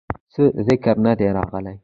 څۀ ذکر نۀ دے راغلے